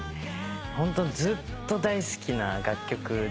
ホントずっと大好きな楽曲で。